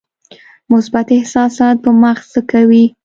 مثبت احساسات په مغز څه کوي؟